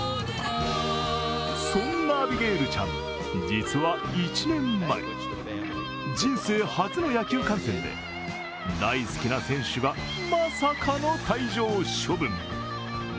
そんなアビゲイルちゃん、実は１年前、人生初の野球観戦で大好きな選手がまさかの退場処分に。